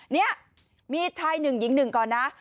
นี่มีชายหนึ่งหญิงหนึ่งก่อนนะ